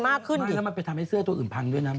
เหมือนมันจะไปทำให้เสื้อตัวอื่นพังด้วยนะ